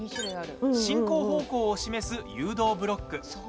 進行方向を示す誘導ブロック。